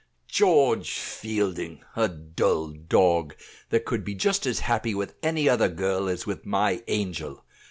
"George Fielding! a dull dog, that could be just as happy with any other girl as with my angel.